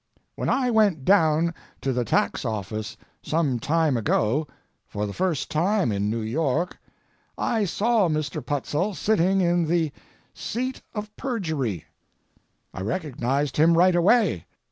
When I went down to the tax office some time ago, for the first time in New York, I saw Mr. Putzel sitting in the "Seat of Perjury." I recognized him right away.